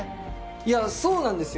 いや、そうなんですよ。